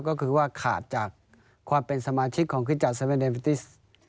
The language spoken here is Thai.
ก็คือว่าขาดจากความเป็นสมาชิกของคริสตัสเซเวนเดวิติส